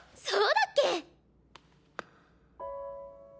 そうだっけ？